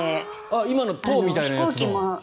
今の塔みたいなやつ。